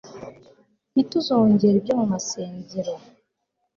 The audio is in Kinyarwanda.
ntituzongere ibyo mumasengero